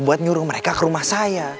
buat nyuruh mereka ke rumah saya